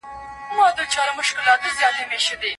خلګ به په خپلو معبدونو کي عبادتونه کړي وي.